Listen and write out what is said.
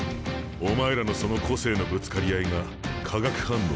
お前らのその個性のぶつかり合いが化学反応を生むか。